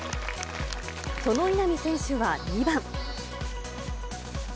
その稲見選手は２番。